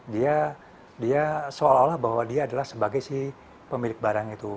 dia dia seolah olah bahwa dia adalah sebagai si pemilik barang itu